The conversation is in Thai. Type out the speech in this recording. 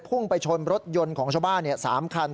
พุ่งไปชนรถยนต์ของครูบาร์๓คัน